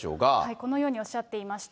このようにおっしゃっていました。